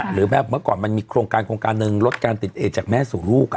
หรือแบบเมื่อก่อนมันมีโครงการโครงการหนึ่งลดการติดเอจากแม่สู่ลูก